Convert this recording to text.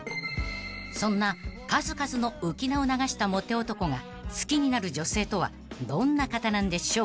［そんな数々の浮名を流したモテ男が好きになる女性とはどんな方なんでしょうか］